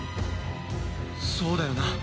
そうだよな。